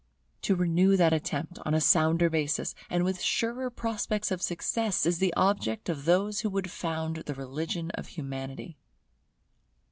To renew that attempt upon a sounder basis, and with surer prospects of success, is the object of those who found the religion of Humanity.